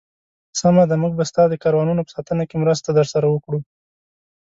سمه ده، موږ به ستا د کاروانونو په ساتنه کې مرسته درسره وکړو.